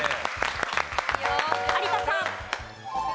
有田さん。